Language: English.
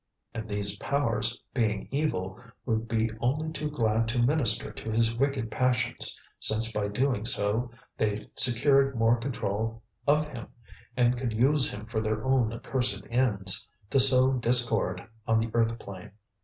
And these powers, being evil, would be only too glad to minister to his wicked passions, since by doing so they secured more control of him, and could use him for their own accursed ends, to sow discord on the earth plane.